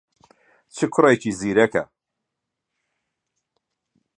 چ کوڕێکی زیرەکە!